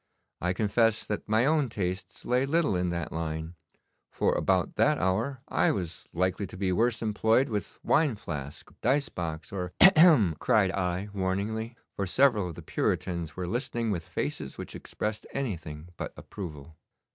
I confess that my own tastes lay little in that line, for about that hour I was likely to be worse employed with wine flask, dice box, or ' 'Hem! hem!' cried I warningly, for several of the Puritans were listening with faces which expressed anything but approval.